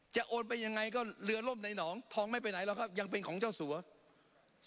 โอนไปยังไงก็เรือล่มในหนองทองไม่ไปไหนหรอกครับยังเป็นของเจ้าสัว